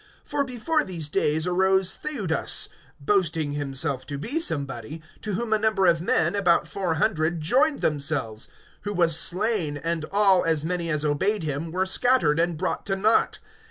(36)For before these days arose Theudas, boasting himself to be somebody; to whom a number of men, about four hundred, joined themselves; who was slain, and all, as many as obeyed him, were scattered and brought to naught.